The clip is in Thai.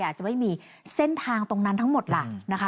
อาจจะไม่มีเส้นทางตรงนั้นทั้งหมดล่ะนะคะ